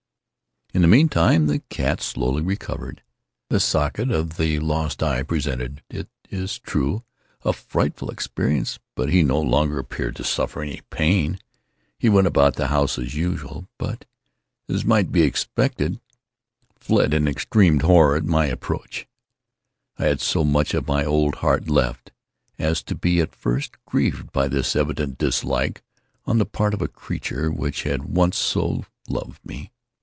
In the meantime the cat slowly recovered. The socket of the lost eye presented, it is true, a frightful appearance, but he no longer appeared to suffer any pain. He went about the house as usual, but, as might be expected, fled in extreme terror at my approach. I had so much of my old heart left, as to be at first grieved by this evident dislike on the part of a creature which had once so loved me.